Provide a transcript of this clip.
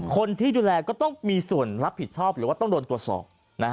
คนที่ดูแลก็ต้องมีส่วนรับผิดชอบหรือว่าต้องโดนตรวจสอบ